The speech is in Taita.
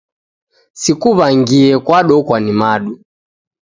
Sikuw'angie kwadokwa ni madu!